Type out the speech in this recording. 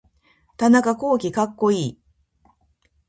田中洸希かっこいい